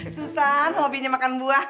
susana hobinya makan buah